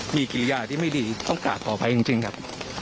มีกิริยาที่ไม่ดีต้องกลับขออภัยจริงครับ